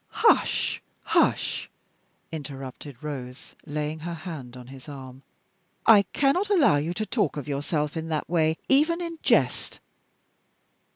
"Hush! hush!" interrupted Rose, laying her hand on his arm. "I cannot allow you to talk of yourself in that way, even in jest."